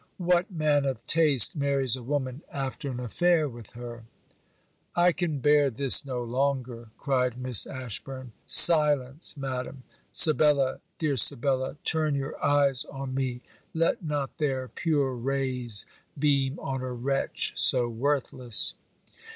'What man of taste marries a woman after an affair with her?' 'I can bear this no longer,' cried Miss Ashburn. 'Silence, Madam! Sibella, dear Sibella, turn your eyes on me! Let not their pure rays beam on a wretch so worthless!'